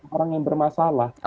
orang yang bermasalah